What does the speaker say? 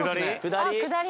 あっ下り。